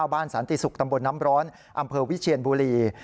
สันติศุกร์ตำบลน้ำร้อนอำเภอวิเชียนบุรี